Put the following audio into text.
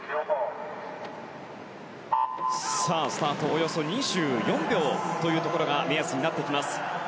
およそ２４秒というところが目安になってきます。